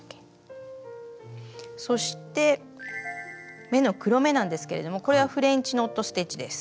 そして目の黒目なんですけれどもこれはフレンチノット・ステッチです。